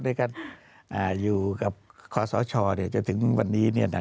ในการอยู่กับคอสชจนถึงวันนี้